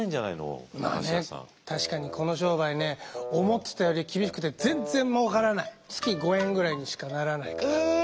確かにこの商売ね思ってたより厳しくて月５円ぐらいにしかならないから。え。